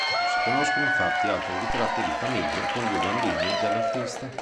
Non si conoscono infatti altri ritratti di famiglie con due bambini dell'artista.